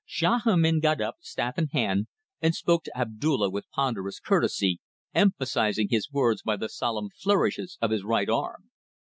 Sahamin got up, staff in hand, and spoke to Abdulla with ponderous courtesy, emphasizing his words by the solemn flourishes of his right arm.